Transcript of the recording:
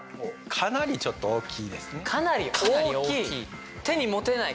かなり大きい。